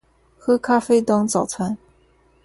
喝咖啡当早餐